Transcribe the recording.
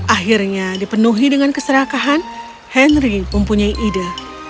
akhirnya dipenuhi dengan keserakahan henry mempunyai ide